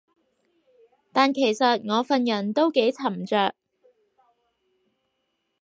但其實我份人都幾沉着